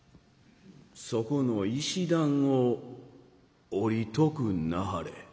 そこの石段を下りとくんなはれ」。